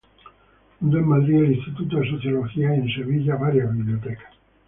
Fundó en Madrid el Instituto de Sociología, y en Sevilla varias bibliotecas.